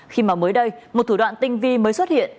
khi mà mới đây một thủ đoạn tinh vi mới xuất hiện